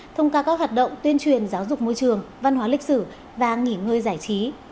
thông qua các hoạt động tuyên truyền giáo dục môi trường văn hóa lịch sử và nghỉ ngơi giải trí